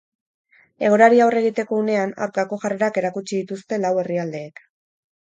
Egoerari aurre egiteko unean, aurkako jarrerak erakutsi dituzte lau herrialdeek.